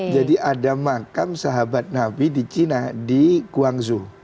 jadi ada makam sahabat nabi di cina di guangzhou